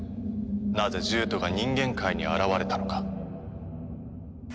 なぜ獣人が人間界に現れたのか。